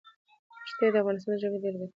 ښتې د افغانستان د جغرافیې بېلګه ده.